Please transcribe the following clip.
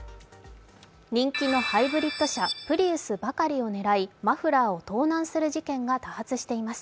人気のハイブリット車・プリウスばかりを狙いマフラーを盗難する事件が多発しています。